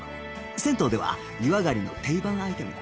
銭湯では湯上がりの定番アイテムだ